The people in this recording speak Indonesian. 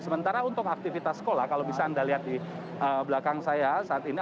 sementara untuk aktivitas sekolah kalau bisa anda lihat di belakang saya saat ini